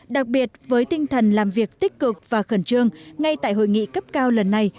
đặc biệt với tinh thần làm việc tích cực và khẩn trương ngay tại hội nghị cấp cao lần này